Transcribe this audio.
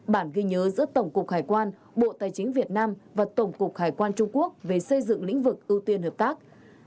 bản ghi nhớ giữa tổng cục hải quan bộ tài chính việt nam và tổng cục hải quan trung quốc về xây dựng lĩnh vực ưu tiên hợp tác